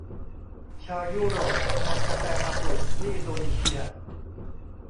ชาวยุโรปนำกาแฟมาปลูกที่อินโดนีเชีย